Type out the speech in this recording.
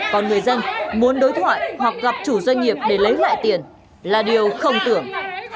còn người dân muốn đối thoại hoặc gặp chủ doanh nghiệp để lấy lại tiền là điều không tưởng